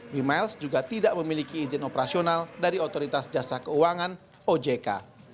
mimiles juga tidak memiliki izin operasional dari otoritas jasa keuangan ojk